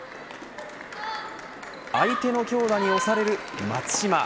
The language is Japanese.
相手の強打に押される松島。